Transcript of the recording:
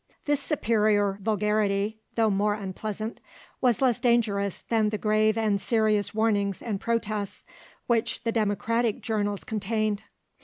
This superior vulgarity, though more unpleasant, was less dangerous than the grave and serious warnings and protests which the Democratic journals contained.